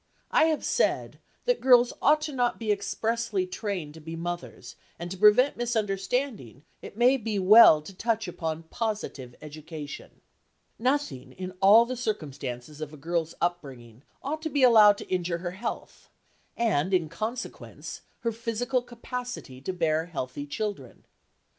I have said (Chapter XIII.) that girls ought not to be expressly trained to be mothers, and to prevent misunderstanding, it may be well to touch upon positive education. Nothing in all the circumstances of a girl's upbringing ought to be allowed to injure her health, and, in consequence, her physical capacity to bear healthy children.